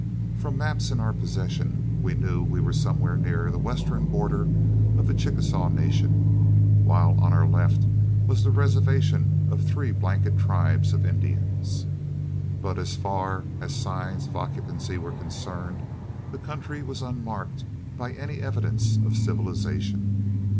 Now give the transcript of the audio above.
From maps in our possession we knew we were somewhere near the western border of the Chickasaw Nation, while on our left was the reservation of three blanket tribes of Indians. But as far as signs of occupancy were concerned, the country was unmarked by any evidence of civilization.